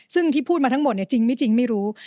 ซึ่งที่พูดมาทั้งหมดจริงไม่จริงไม่รู้